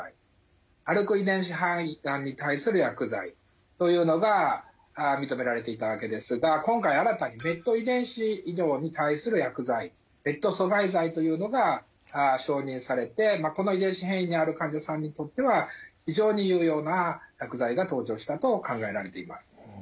肺がんに対する薬剤というのが認められていたわけですが今回新たにＭＥＴ遺伝子異常に対する薬剤ＭＥＴ阻害剤というのが承認されてこの遺伝子変異にある患者さんにとっては非常に有用な薬剤が登場したと考えられています。